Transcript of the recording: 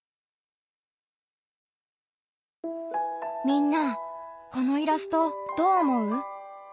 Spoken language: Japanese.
みんなこのイラストどう思う？